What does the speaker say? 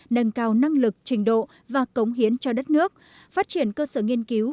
nâng cao năng lực trình độ và cống hiến cho đất nước phát triển cơ sở nghiên cứu